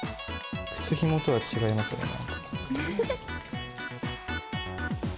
靴ひもとは違いますね。